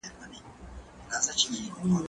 دا لاس له هغه پاک دی؟!